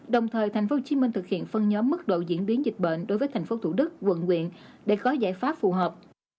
đồng thời thành phố hồ chí minh thực hiện phân nhóm mức độ diễn biến dịch bệnh đối với thành phố thủ đức quận quyền để có giải pháp phù hợp